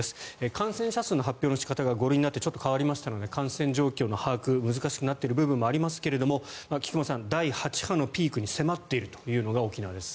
感染者の発表の仕方が５類になってちょっと変わりましたので感染状況の把握難しくなっている部分もありますが菊間さん、第８波のピークに迫っているというのが沖縄です。